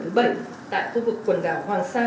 chỉ đạo giải quyết vấn đề trên biển